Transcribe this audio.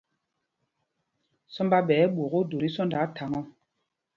Sɔmb a ɓɛ ɛ̂ ɓwok ódō tí sɔ́ndɔ á thaŋ ɔ.